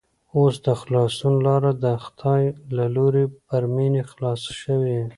اوس د خلاصون لاره د خدای له لوري پر مينې خلاصه شوې